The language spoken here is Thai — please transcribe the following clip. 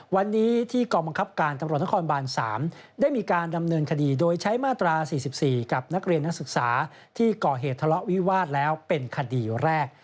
วันนี้ที่กองบังคับการตำรวจนครบาน๓ได้มีการดำเนินคดีโดยใช้มาตรา๔๔กับนักเรียนนักศึกษาที่ก่อเหตุทะเลาะวิวาสแล้วเป็นคดีแรก